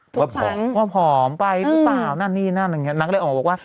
ว่าผอมว่าผอมไปหรือเปล่านั่นนี่นั่นอะไรอย่างนี้นางก็เลยออกมาบอกว่า